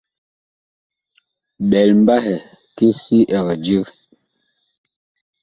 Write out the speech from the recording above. Ɓɛl mbahɛ ki si ɛg dig.